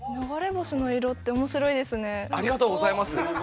ありがとうございます。